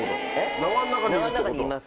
縄の中にいます。